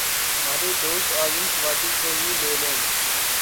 ہمارے دوست اعظم سواتی کو ہی لے لیں۔